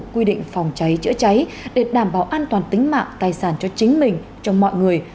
quy định phòng cháy chữa cháy để đảm bảo an toàn tính mạng tài sản cho chính mình cho mọi người